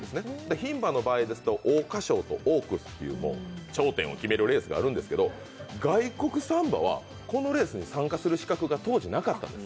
ひん馬の場合ですと桜花賞というオークスという頂点を決めるレースがあるんですけど、外国産馬はこのレースに参加する資格が当時なかったんです。